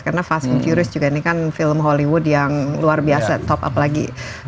karena fast and furious ini kan film hollywood yang luar biasa top up lagi